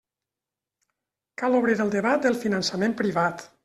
Cal obrir el debat del finançament privat.